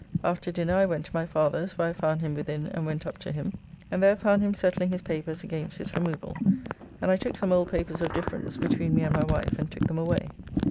After dinner I went to my father's, where I found him within, and went up to him, and there found him settling his papers against his removal, and I took some old papers of difference between me and my wife and took them away.